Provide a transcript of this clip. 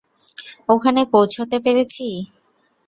ওখানে পোঁছতে পেরেছি?